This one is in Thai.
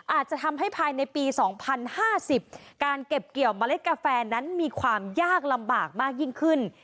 อาจจะทำให้ภายในปี๒๐๕๐การเก็บเกี่ยวเมล็ดกาแฟนั้นมีความยากลำบากมากยิ่งขึ้น